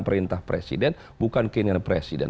perintah presiden bukan keinginan presiden